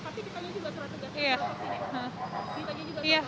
di pagi juga sama